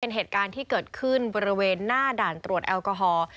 เป็นเหตุการณ์ที่เกิดขึ้นบริเวณหน้าด่านตรวจแอลกอฮอล์